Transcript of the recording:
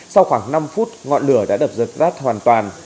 sau khoảng năm phút ngọn lửa đã đập rớt rát hoàn toàn